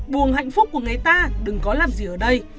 buồng hạnh phúc của người ta đừng có làm gì ở đây